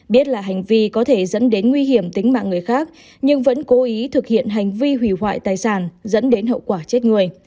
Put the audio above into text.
biết là hành vi có thể dẫn đến nguy hiểm tính mạng người khác nhưng vẫn cố ý thực hiện hành vi hủy hoại tài sản dẫn đến hậu quả chết người